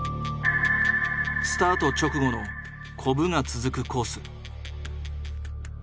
スタート直後のコブが続くコース。